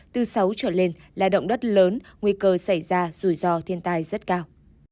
từ sáu độ trở lên là động đất lớn nguy cơ xảy ra rủi ro thiên tài rất cao